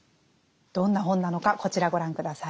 どんな本なのかこちらご覧下さい。